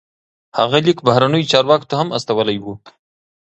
هغه لیک بهرنیو چارواکو ته هم استولی و.